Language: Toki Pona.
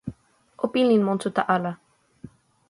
o pilin monsuta ala.